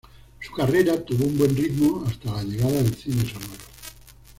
Su carrera tuvo un buen ritmo hasta la llegada del cine sonoro.